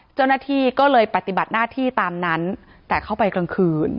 เจ้าหน้าที่ก็เลยปฏิบัติหน้าที่ตามนั้นแต่เข้าไปกลางคืน